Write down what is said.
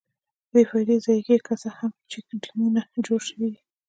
بې فایدې ضایع کېږي، که څه هم چیک ډیمونه جوړ شویدي.